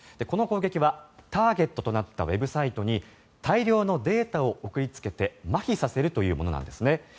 この攻撃はターゲットとなったウェブサイトに大量のデータを送りつけてまひさせるというものなんです。